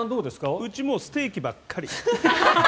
うちはステーキばっかり。